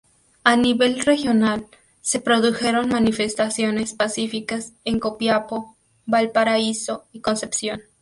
A nivel regional, se produjeron manifestaciones pacíficas en Copiapó, Valparaíso y Concepción.